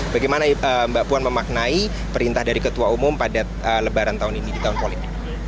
bagaimana mbak puan memaknai perintah dari ketua umum pada lebaran tahun ini di tahun politik